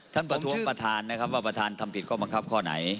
ประท้วงประธานนะครับว่าประธานทำผิดข้อบังคับข้อไหน